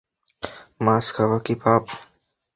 মাছ খাওয়া কি পাপ?